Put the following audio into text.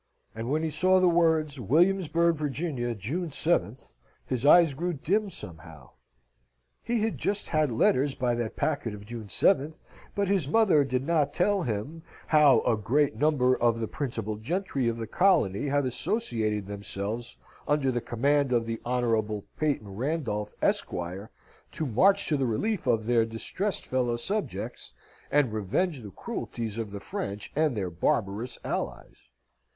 And when he saw the words, Williamsburg, Virginia, June 7th, his eyes grew dim somehow. He had just had letters by that packet of June 7th, but his mother did not tell how "A great number of the principal gentry of the colony have associated themselves under the command of the Honourable Peyton Randolph, Esquire, to march to the relief of their distressed fellow subjects, and revenge the cruelties of the French and their barbarous allies.